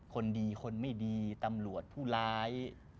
คนดีคนไม่ดีตำรวจผู้ร้าย